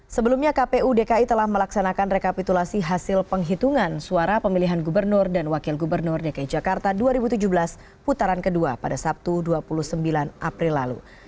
sebelumnya kpu dki telah melaksanakan rekapitulasi hasil penghitungan suara pemilihan gubernur dan wakil gubernur dki jakarta dua ribu tujuh belas putaran kedua pada sabtu dua puluh sembilan april lalu